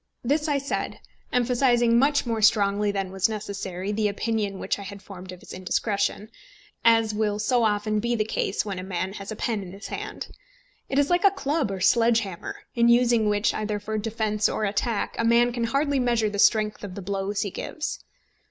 This I said, emphasising much more strongly than was necessary the opinion which I had formed of his indiscretion, as will so often be the case when a man has a pen in his hand. It is like a club or a sledge hammer, in using which, either for defence or attack, a man can hardly measure the strength of the blows he gives.